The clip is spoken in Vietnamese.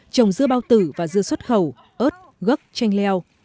trồng dưa bao tử và dưa xuất khẩu ớt gốc chanh leo